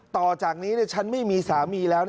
ต่อจากนี้ฉันไม่มีสามีแล้ว